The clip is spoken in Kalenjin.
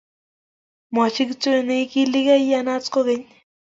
Machi kityo neigiiligei, iyanat kogeny